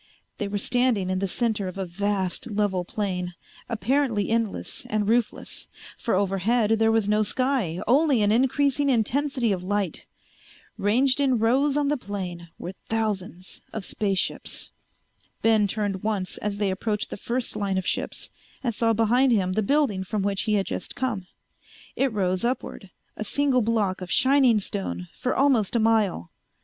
They were standing in the center of a vast level plain, apparently endless and roofless, for overhead there was no sky, only an increasing intensity of light. Ranged in rows on the plain were thousands of space ships. Ben turned once as they approached the first line of ships and saw behind him the building from which he had just come. It rose upward, a single block of shining stone, for almost a mile.